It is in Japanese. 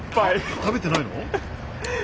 食べてないの？